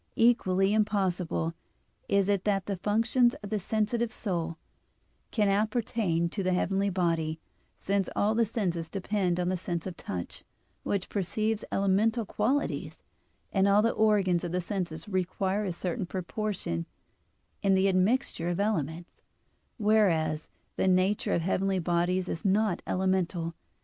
Equally impossible is it that the functions of the sensitive soul can appertain to the heavenly body, since all the senses depend on the sense of touch, which perceives elemental qualities, and all the organs of the senses require a certain proportion in the admixture of elements, whereas the nature of the heavenly bodies is not elemental.